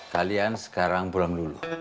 kalian sekarang pulang dulu